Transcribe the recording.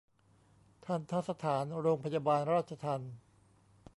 ทัณฑสถานโรงพยาบาลราชทัณฑ์